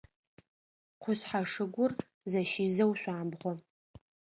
Къушъхьэ шыгур зэщизэу шъуамбгъо.